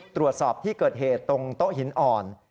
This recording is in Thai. ตรวจสอบที่เกิดเหตุตรงโต๊ะหินอ่อน